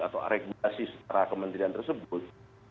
atau regulasi secara kementerian tersebut